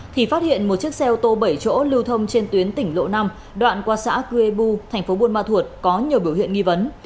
thì phát hiện một chiếc xe ô tô bảy chỗ lưu thông trên tuyến tỉnh lộ năm đoạn qua xã cư ê bu thành phố buôn ma thuột có nhiều biểu hiện nghi vấn